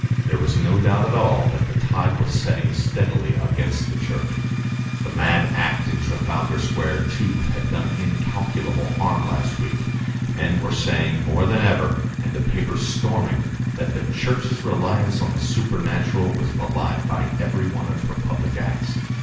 There was no doubt at all that the tide was setting steadily against the Church. The mad act in Trafalgar Square, too, had done incalculable harm last week: men were saying more than ever, and the papers storming, that the Church's reliance on the supernatural was belied by every one of her public acts.